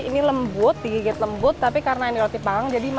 ini lembut digigit lembut tapi karena ini roti palang